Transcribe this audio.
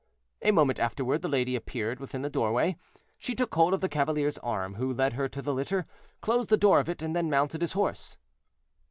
A moment afterward the lady appeared within the doorway. She took hold of the cavalier's arm, who led her to the litter, closed the door of it, and then mounted his horse.